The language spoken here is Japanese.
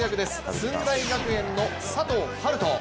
駿台学園の佐藤遥斗。